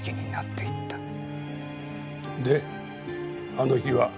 であの日は？